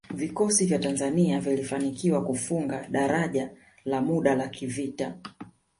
Vikosi vya Tanzania vilifanikiwa kufunga daraja la muda la kivita